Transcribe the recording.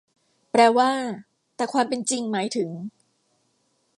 แปลว่า แต่ความเป็นจริงหมายถึง